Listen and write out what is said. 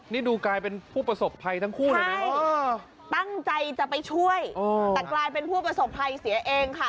นี่ดูกลายเป็นผู้ประสบภัยทั้งทั้งกูเลยเจ๋งใจจะไปช่วยนั้นและเป็นผู้ประสบภัยเสียเอ็งค่ะ